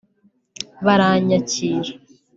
baranyakira